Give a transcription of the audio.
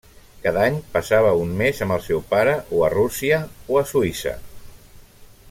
Cada any passava un mes amb el seu pare, o a Rússia o a Suïssa.